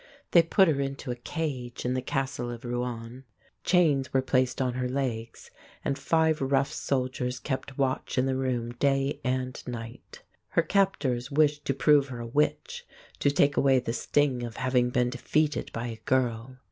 They put her into a cage in the castle of Rouen. Chains were placed on her legs, and five rough soldiers kept watch in the room day and night. Her captors wished to prove her a witch to take away the sting of having been defeated by a girl.